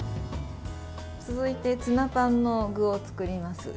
続いて、ツナパンの具を作ります。